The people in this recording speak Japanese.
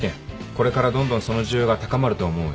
これからどんどんその需要が高まると思うんよ。